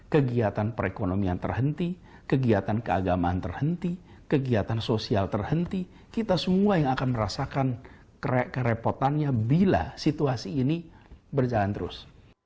kegiatan perekonomian terhenti kegiatan keagamaan terhenti kegiatan sosial terhenti kita semua yang akan merasakan kerepotannya bila situasi ini berjalan terus